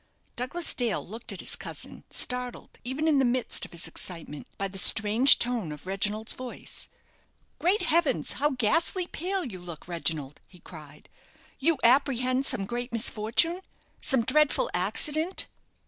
Douglas Dale looked at his cousin, startled, even in the midst of his excitement, by the strange tone of Reginald's voice. "Great heavens! how ghastly pale you look, Reginald!" he cried; "you apprehend some great misfortune some dreadful accident?"